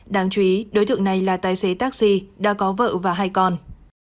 đáng chú ý đối tượng này là tài xế taxi đã có vợ và hai con